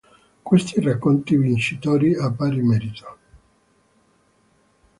Questi i racconti vincitori a pari merito.